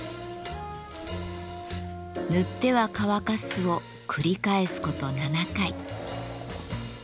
塗っては乾かすを繰り返すこと７回。